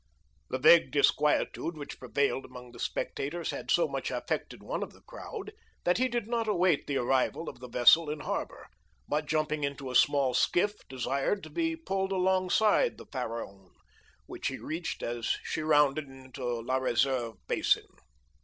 The vague disquietude which prevailed among the spectators had so much affected one of the crowd that he did not await the arrival of the vessel in harbor, but jumping into a small skiff, desired to be pulled alongside the Pharaon, which he reached as she rounded into La Réserve basin.